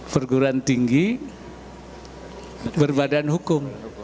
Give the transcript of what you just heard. perguruan tinggi berbadan hukum